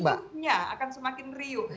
banyaknya riuhnya akan semakin riuh